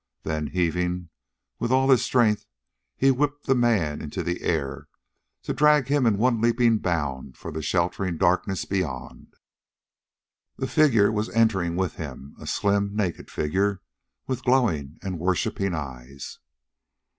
Then, heaving with all his strength, he whipped the man into the air, to drag him in one leaping bound for the sheltering darkness beyond. A figure was entering with him a slim, naked figure, with glowing and worshipping eyes.